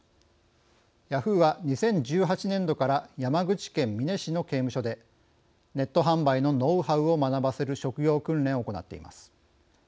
ヤフーは２０１８年度から山口県美祢市の刑務所でネット販売のノウハウを学ばせる職業訓練を行っています。